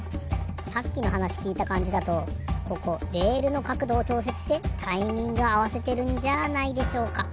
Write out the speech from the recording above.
さっきのはなしきいたかんじだとここレールのかくどをちょうせつしてタイミングあわせてるんじゃないでしょうか？